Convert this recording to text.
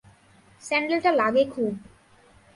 স্যান্ডেলটা লাগে খুব।